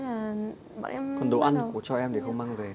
anh cố cho em để không mang về